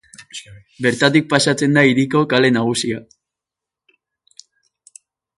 Bertatik pasatzen da hiriko kale nagusia.